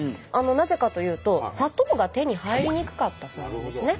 なぜかというと砂糖が手に入りにくかったそうなんですね。